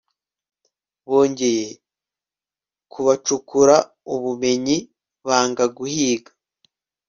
Bongeye kubacukura ubumenyi banga guhiga